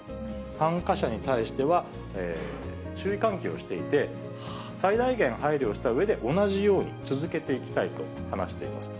参加者に対しては、注意喚起をしていて、最大限配慮したうえで同じように続けていきたいと話しています。